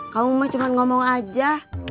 kamu mah cuman ngomong aja